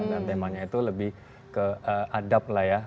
dan temanya itu lebih ke adab lah ya